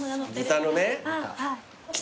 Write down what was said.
豚のね。